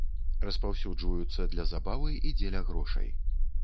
Распаўсюджваюцца для забавы і дзеля грошай.